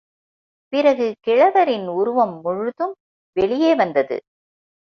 பிறகு கிழவரின் உருவம் முழுதும் வெளியே வந்தது.